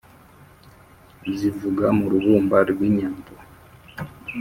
zivuga mu rubumba rw’inyambo